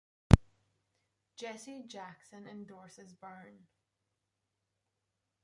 Jesse Jackson endorsed Byrne.